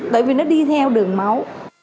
tại vì nó đi theo đường máu